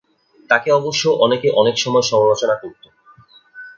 তাঁকে অবশ্য অনেকে অনেক সময় সমালোচনা করত।